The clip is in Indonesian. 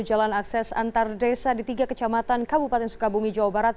jalan akses antar desa di tiga kecamatan kabupaten sukabumi jawa barat